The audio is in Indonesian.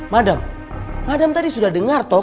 madam madam tadi sudah dengar tom